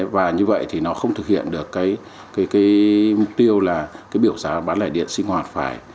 và như vậy thì nó không thực hiện được cái mục tiêu là cái biểu giá bán lẻ điện sinh hoạt phải